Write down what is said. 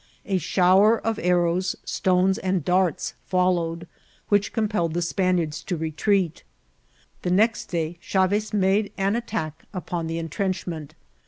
A shower of arrows, stones, and darts followed, which compelled the Span iards to retreat. The next day Chaves made an attack upon the intrenchment.